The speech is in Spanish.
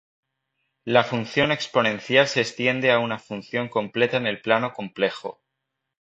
La función exponencial se extiende a una función completa en el plano complejo.